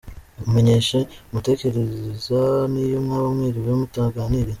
Mumenyeshe umutekereza n’iyo mwaba mwiriwe mutaganiriye.